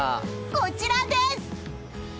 こちらです！